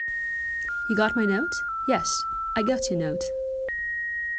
You got my note? Yes, I got your note.